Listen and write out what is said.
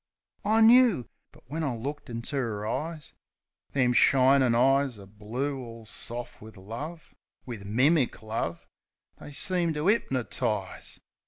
I knoo. But when I looked into 'er eyes — Them shinin' eyes o' blue all soft wiv love — Wiv mimic love — they seemed to 'ipnertize.